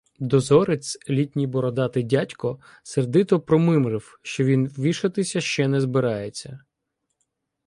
Дозорець, літній бородатий дядько, сердито промимрив, що він вішатися ще не збирається.